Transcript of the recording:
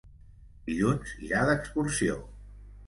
Dilluns irà d'excursió.